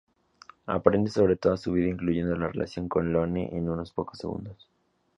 Aprende sobre toda su vida incluyendo la relación con Lone, en unos pocos segundos.